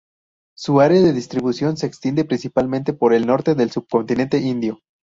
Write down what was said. Su área de distribución se extiende principalmente por el norte del subcontinente indio.